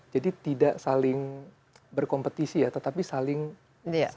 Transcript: jadi tidak saling berkompetisi ya tetapi saling membantu